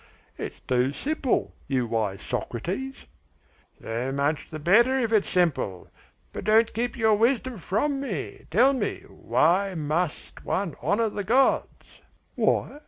It's too simple, you wise Socrates." "So much the better if it's simple. But don't keep your wisdom from me. Tell me why must one honour the gods?" "Why.